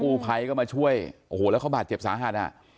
ภัยก็มาช่วยโอ้โหแล้วเขาบาดเจ็บสาหัสอ่ะ